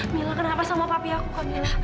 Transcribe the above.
mila kenapa sama papi aku kok mila